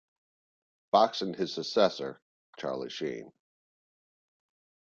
Fox and his successor, Charlie Sheen.